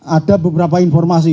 ada beberapa informasi